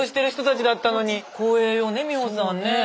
光栄よね美穂さんねえ。